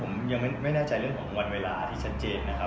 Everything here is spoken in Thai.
คือเหตุการณ์เฮลล์ผมยังไม่แน่ใจเรื่องของวันเวลาที่ชัดเจนนะครับ